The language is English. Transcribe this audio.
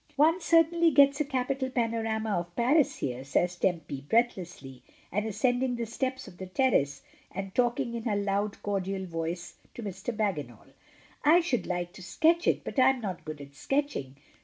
"One certainly gets a capital panorama of Paris here," says Tempy, breathlessly, and ascending the steps of the terrace, and talking in her loud, cordial voice to Mr. Bagginal. "I should like to sketch it, but Fm not good at sketching!